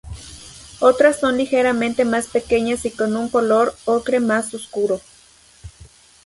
Otras son ligeramente más pequeñas o con un color ocre más oscuro.